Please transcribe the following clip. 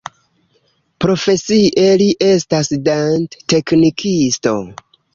Profesie li estas dent-teknikisto.